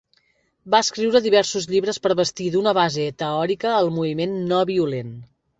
Va escriure diversos llibres per bastir d'una base teòrica el moviment no-violent.